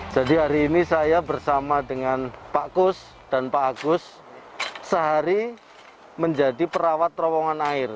jadi hari ini saya bersama dengan pak kus dan pak agus sehari menjadi perawat terowongan air